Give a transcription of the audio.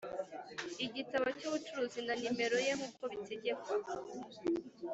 igitabo cy'ubucuruzi na nimero ye nk'uko bitegekwa